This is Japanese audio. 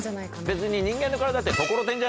別に人間の体って。